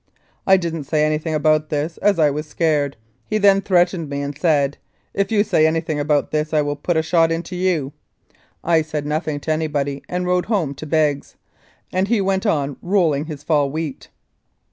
I didn't say anything about this as I was scared ; he then threatened me and said, ' If you say anything about this I will put a shot into you.' I said nothing to anybody, and rode home to Begg's, and he went on rolling his fall wheat.